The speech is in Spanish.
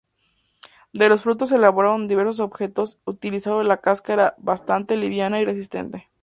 De los frutos se elaboran diversos objetos utilizando la cáscara bastante liviana y resistente.